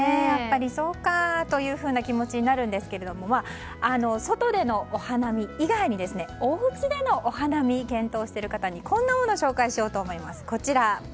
やっぱりそうかというふうな気持ちになるんですが外でのお花見以外におうちでのお花見を検討している方にこんなもの紹介しようと思います。